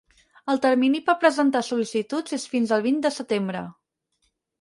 El termini per presentar sol·licituds és fins al vint de setembre.